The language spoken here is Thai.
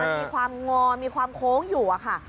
มันมีความงอมีความโค้งอยู่อะค่ะ